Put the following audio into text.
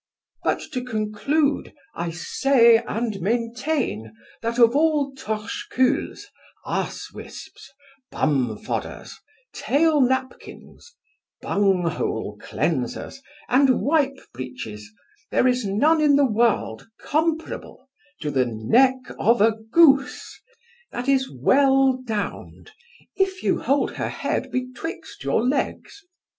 But, to conclude, I say and maintain, that of all torcheculs, arsewisps, bumfodders, tail napkins, bunghole cleansers, and wipe breeches, there is none in the world comparable to the neck of a goose, that is well downed, if you hold her head betwixt your legs.